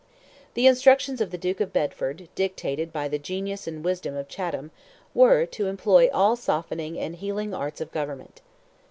The instructions of the Duke of Bedford, dictated by the genius and wisdom of Chatham, were, to employ "all softening and healing arts of government."